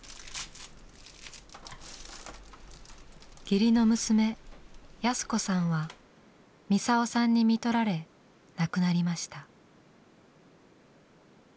義理の娘やすこさんはミサオさんに看取られ亡くなりました。